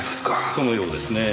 そのようですねぇ。